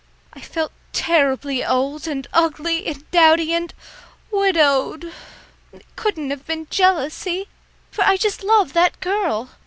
I felt terribly old and ugly and dowdy and widowed. It couldn't have been jealousy, for I just love that girl.